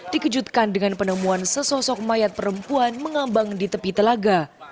dikejutkan dengan penemuan sesosok mayat perempuan mengambang di tepi telaga